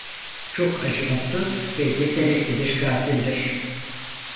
Çok acımasız ve yetenekli bir katildir.